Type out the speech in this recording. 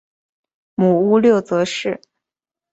母乌六浑氏。